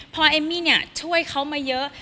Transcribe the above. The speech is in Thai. พอเอ็มมี่ช่วยเขามาเยอะ